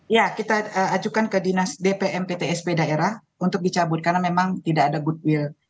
ya kita ajukan ke dinas dpm ptsp daerah untuk dicabut karena memang tidak ada goodwill